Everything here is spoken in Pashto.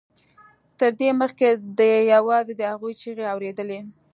تر دې مخکې ده یوازې د هغوی چیغې اورېدلې